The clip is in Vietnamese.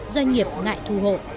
doanh nghiệp ngại thu hộ